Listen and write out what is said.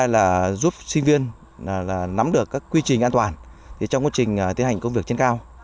là nắm được các quy trình an toàn trong quá trình tiến hành công việc trên cao